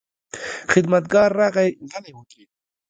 خدمتګار راغی، غلی ودرېد.